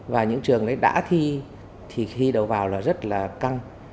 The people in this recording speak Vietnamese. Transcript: và những trường đấy đã thi thì khi đầu vào là rất là căng